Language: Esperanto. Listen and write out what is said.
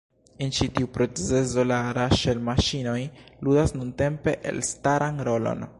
En ĉi tiu procezo la raŝel-maŝinoj ludas nuntempe elstaran rolon.